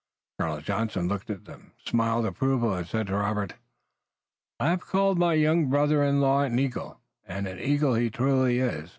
Colonel Johnson looked at them, smiled approval and said to Robert: "I have called my young brother in law an eagle, and an eagle he truly is.